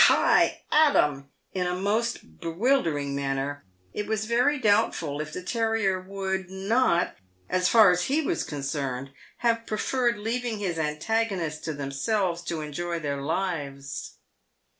hi! at 'em !" in a most bewildering manner, it was very doubtful if the terrier would not, as far as he was concerned, have preferred leaving his antagonists to themselves to enjoy their lives.